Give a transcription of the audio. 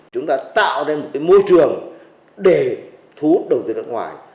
chúng ta tạo ra một cái môi trường để thu hút đầu tư nước ngoài